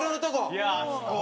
いやあそこは。